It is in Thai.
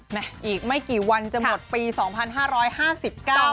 แม่อีกไม่กี่วันจะหมดปี๒๕๕๙แล้ว